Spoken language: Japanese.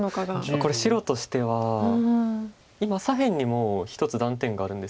これ白としては今左辺にも１つ断点があるんです。